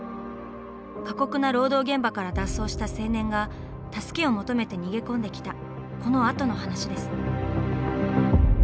過酷な労働現場から脱走した青年が助けを求めて逃げ込んできたこの後の話です。